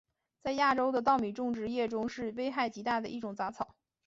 在亚洲的稻米种植业中是危害极大的一种杂草。